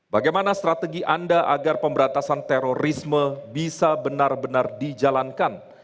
bagaimana strategi anda agar pemberantasan terorisme bisa benar benar dijalankan